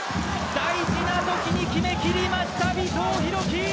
大事なときに決め切りました尾藤大輝。